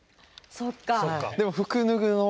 そっか。